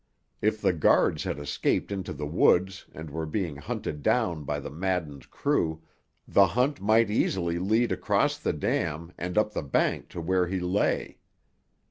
If the guards had escaped into the woods and were being hunted down by the maddened crew, the hunt might easily lead across the dam and up the bank to where he lay.